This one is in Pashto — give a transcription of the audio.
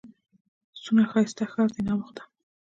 څونه ښايسته ښار دئ! نام خدا!